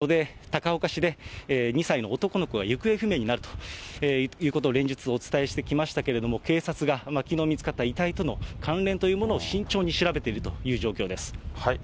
先ほど、宮根さんおっしゃっていただいたように、先月２０日ですね、ここで高岡市で、２歳の男の子が行方不明になるということを連日お伝えしてきましたけれども、警察がきのう見つかった遺体との関連というものを慎重に調べているという状況です。